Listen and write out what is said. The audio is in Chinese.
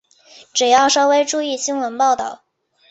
只要稍微注意新闻报导